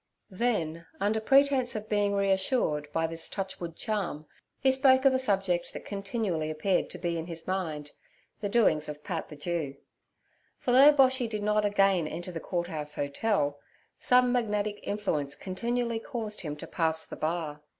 Then, under pretence of being reassured by this touch wood charm, he spoke of a subject that continually appeared to be in his mind—the doings of Pat the Jew; for though Boshy did not again enter the Court House Hotel, some magnetic influence continually caused him to pass the bar.